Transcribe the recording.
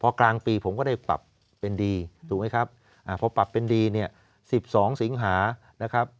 พอกลางปีผมก็ได้ปรับเป็นดีถูกไหมครับพอปรับเป็นดีเนี่ย๑๒สิงหานะครับ